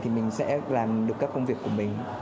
thì mình sẽ làm được các công việc của mình